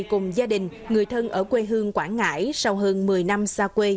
cùng gia đình người thân ở quê hương quảng ngãi sau hơn một mươi năm xa quê